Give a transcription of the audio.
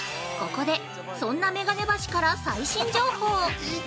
◆ここでそんなめがね橋から最新情報。